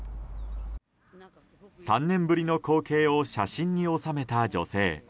３年ぶりの光景を写真に収めた女性。